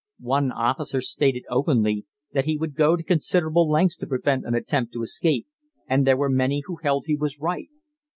One officer stated openly that he would go to considerable lengths to prevent an attempt to escape, and there were many who held he was right.